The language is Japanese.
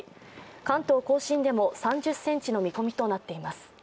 関東甲信でも３０ｃｍの見込みとなっています。